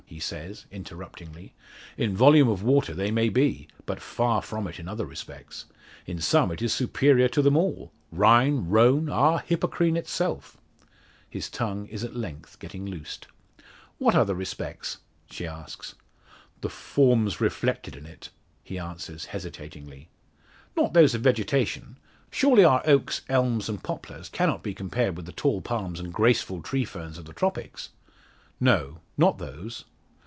he says, interruptingly. "In volume of water they may be; but far from it in other respects. In some it is superior to them all Rhine, Rhone, ah! Hippocrene itself!" His tongue is at length getting loosed. "What other respects?" she asks. "The forms reflected in it," he answers hesitatingly. "Not those of vegetation! Surely our oaks, elms, and poplars cannot be compared with the tall palms and graceful tree ferns of the tropics?" "No; not those."